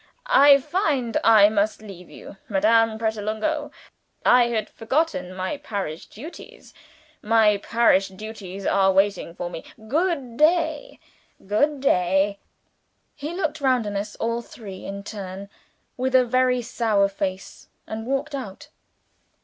I find I must leave you, Madame Pratolungo. I had forgotten my parish duties. My parish duties are waiting for me. Good day! good day!" He looked round on us all three, in turn, with a very sour face, and walked out.